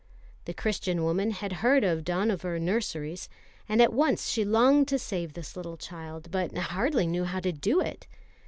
The Christian woman had heard of the Dohnavur nurseries, and at once she longed to save this little child, but hardly knew how to do it.